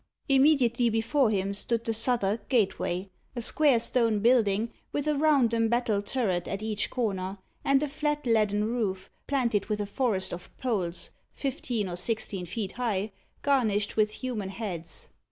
Immediately before him stood the Southwark Gateway a square stone building, with a round, embattled turret at each corner, and a flat leaden roof, planted with a forest of poles, fifteen or sixteen feet high, garnished with human heads.